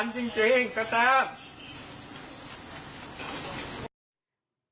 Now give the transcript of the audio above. น้ำตาคลอเลยเนี่ยเองก็ตะโกนเรียกชื่อลูกด้วย